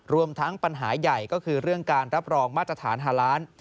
รวมทั้งปัญหาใหญ่ก็คือเรื่องการรับรองมาตรฐานฮาล้าน